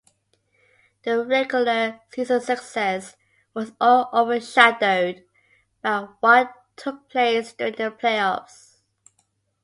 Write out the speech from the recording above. The regular season success was all overshadowed by what took place during the playoffs.